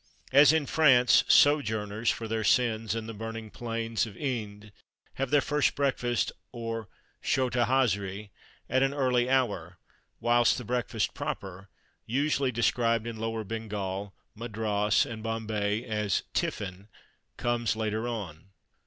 As in France, sojourners (for their sins) in the burning plains of Ind have their first breakfast, or chota hazri, at an early hour, whilst the breakfast proper usually described in Lower Bengal, Madras, and Bombay as "tiffin" comes later on.